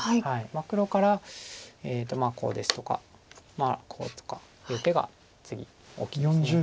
黒からこうですとかこうとかいう手が次大きいです。